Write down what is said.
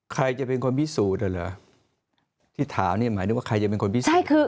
ใครจะเป็นคนพิสูจน์อ่ะเหรอที่ถามนี่หมายถึงว่าใครจะเป็นคนพิสูจน